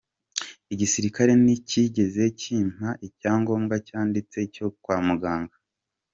Igisirikare nticyigeze cyimpa icyangombwa cyanditse cyo kwa muganga.